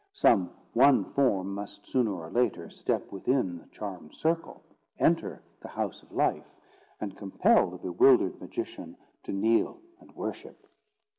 Some one form must sooner or later step within the charmed circle, enter the house of life, and compel the bewildered magician to kneel and worship.